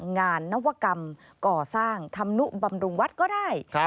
งานนวกรรมก่อสร้างธรรมนุบำรุงวัดก็ได้